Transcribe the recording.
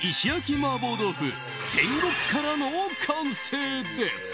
麻婆豆腐天獄辛の完成です。